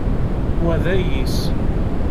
Wa d ayis.